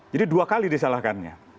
jadi dua kali disalahkannya